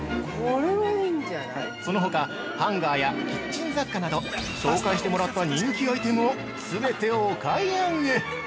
◆そのほか、ハンガーやキッチン雑貨など紹介してもらった人気アイテムを全てお買い上げ。